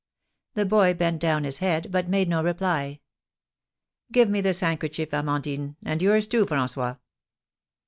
The boy bent down his head, but made no reply. "Give me this handkerchief, Amandine; and yours, too, François."